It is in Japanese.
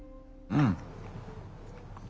うん。